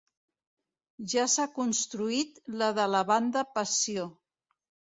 Ja s'ha construït la de la banda Passió.